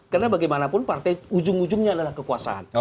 karena bagaimanapun partai ujung ujungnya adalah kekuasaan